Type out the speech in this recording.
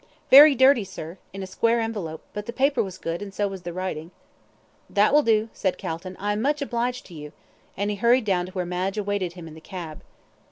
"Very dirty, sir, in a square envelope; but the paper was good, and so was the writing." "That will do," said Calton; "I am much obliged to you," and he hurried down to where Madge awaited him in the cab.